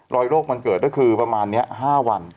โรคมันเกิดก็คือประมาณนี้๕วัน